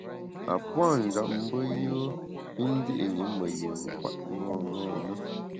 A puâ’ njap mbe yùe i ndi’ ṅi me yin kwet ṅaṅâ na.